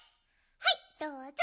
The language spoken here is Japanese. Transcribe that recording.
はいどうぞ！